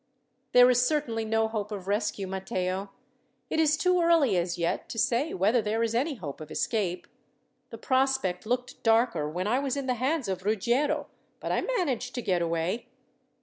"There is certainly no hope of rescue, Matteo. It is too early, as yet, to say whether there is any hope of escape. The prospect looked darker when I was in the hands of Ruggiero, but I managed to get away.